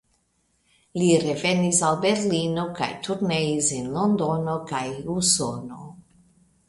Li revenis al Berlino kaj turneis en Londono kaj Usono.